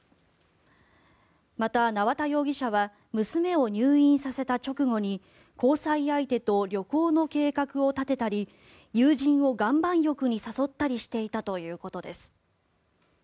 また縄田容疑者は娘を入院させた直後に交際相手と旅行の計画を立てたり友人を岩盤浴に誘ったりしていたということです。